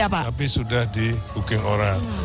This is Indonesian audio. tapi sudah di booking orang